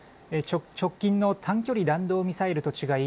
直近の短距離弾道ミサイルと違い